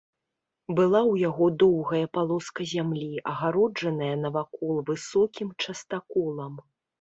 Была ў яго доўгая палоска зямлі, агароджаная навакол высокім частаколам.